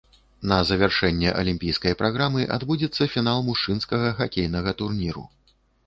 На завяршэнне алімпійскай праграмы адбудзецца фінал мужчынскага хакейнага турніру.